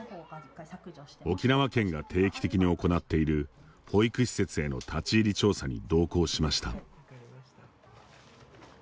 沖縄県が定期的に行っている保育施設への立ち入り調査に同行しました。